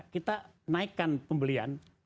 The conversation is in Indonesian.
kita naikkan pembelian